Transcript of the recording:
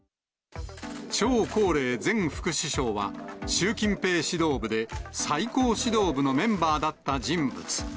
張高麗前副首相は、習近平指導部で最高指導部のメンバーだった人物。